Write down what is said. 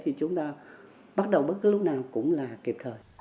thì chúng ta bắt đầu bất cứ lúc nào cũng là kịp thời